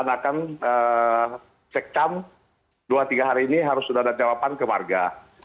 dan kita akan cek cam dua tiga hari ini harus sudah ada jawaban ke warga